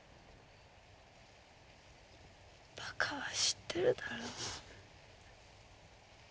馬鹿は知ってるだろう。